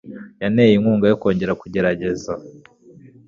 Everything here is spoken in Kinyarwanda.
Yanteye inkunga yo kongera kugerageza.